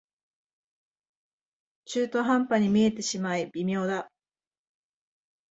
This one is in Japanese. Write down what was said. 中途半端に見えてしまい微妙だ